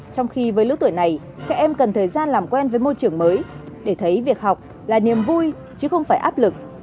trong khi với lứa tuổi này các em cần thời gian làm quen với môi trường mới để thấy việc học là niềm vui chứ không phải áp lực